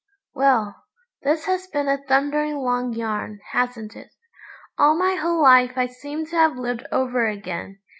..... Well, this has been a thundering long yarn, hasn't it? All my whole life I seem to have lived over again.